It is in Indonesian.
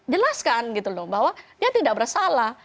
jelaskan gitu loh bahwa dia tidak bersalah